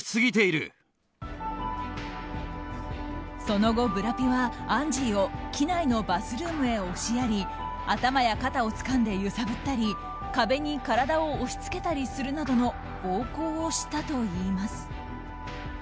その後、ブラピはアンジーを機内のバスルームへ押しやり頭や肩をつかんで揺さぶったり壁に体を押し付けたりするなどの暴行をしたといいます。